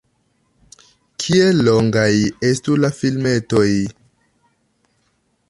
Kiel longaj estu la filmetoj?